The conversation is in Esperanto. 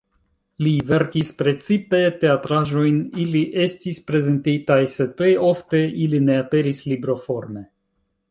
Li verkis precipe teatraĵojn, ili estis prezentitaj sed plej ofte ili ne aperis libroforme.